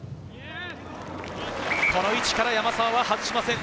この位置から山沢は外しません！